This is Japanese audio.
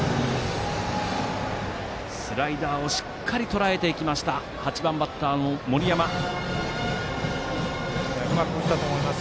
スライダーをしっかりとらえていきましたうまく打ったと思います。